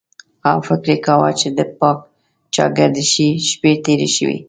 او فکر یې کاوه چې د پاچاګردشۍ شپې تېرې شوې.